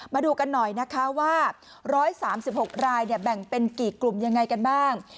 มาดูกันหน่อยนะคะว่า๑๓๖รายแบ่งเป็นกี่กลุ่มยังไงกันบ้าง